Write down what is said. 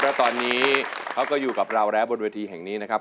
แล้วตอนนี้เขาก็อยู่กับเราแล้วบนเวทีแห่งนี้นะครับ